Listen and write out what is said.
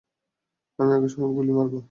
আমি আগে গুলি মারব।